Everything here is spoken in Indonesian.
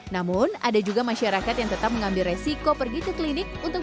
namun ada juga masyarakat yang tetap mengambil resiko pergi ke klinik untuk